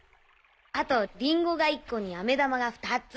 あとリンゴが１個にアメ玉が２つ。